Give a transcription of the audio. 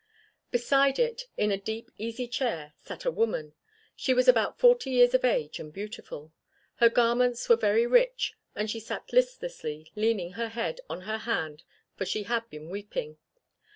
Beside it, in a deep easy chair, sat a woman. She was about forty years of age and beautiful. Her garments were very rich, and she sat listlessly leaning her head on her hand for she had been weeping.